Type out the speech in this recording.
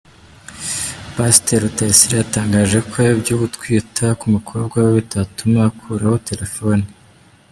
Pasiteri Rutayisire yatangaje ko iby’ugutwita k’umukobwa we bitatuma akuraho telefone